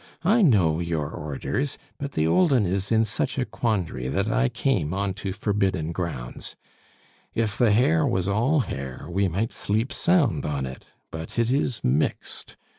I know your orders, but the old 'un is in such a quandary that I came on to forbidden grounds. If the hair was all hair, we might sleep sound on it; but it is mixed.